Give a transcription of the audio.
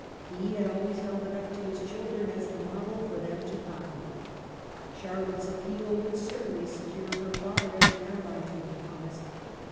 He had always held it up to his children as a model for them to copy. Charlotte's appeal would certainly secure her father as an ally to her cause.